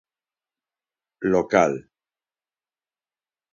Local.